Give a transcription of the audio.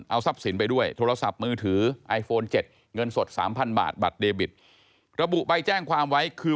เอาทรัพย์สินไปด้วยโทรศัพท์มือถือ